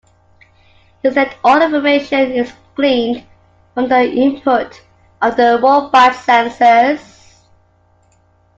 Instead all the information is gleaned from the input of the robot's sensors.